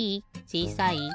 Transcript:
ちいさい？